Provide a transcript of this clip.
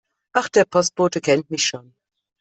Ach, der Postbote kennt mich schon.